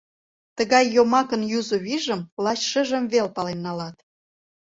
Тыгай йомакын юзо вийжым Лач шыжым вел пален налат.